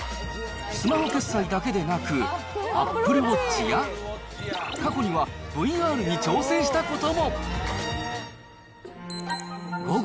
スマホ決済だけでなく、アップルウォッチや、過去には、ＶＲに挑戦したことも。